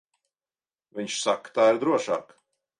Viņš saka, tā ir drošāk.